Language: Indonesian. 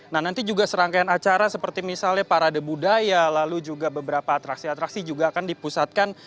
nah nanti juga serangkaian acara seperti misalnya parade budaya lalu juga beberapa atraksi atraksi juga akan dipusatkan